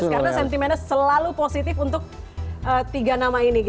karena sentimennya selalu positif untuk tiga nama ini gitu ya